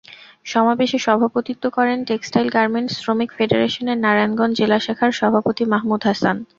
সমাবেশে সভাপতিত্ব করেন টেক্সটাইল গার্মেন্টস শ্রমিক ফেডারেশনের নারায়ণগঞ্জ জেলা শাখার সভাপতি মাহমুদ হাসান।